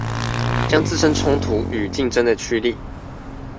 將自身衝突與競爭的趨力